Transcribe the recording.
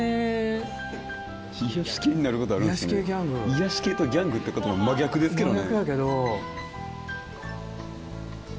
癒やし系とギャングって言葉真逆ですけどね。